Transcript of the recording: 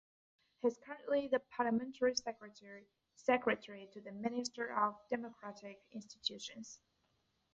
He is currently the Parliamentary Secretary to the Minister of Democratic Institutions.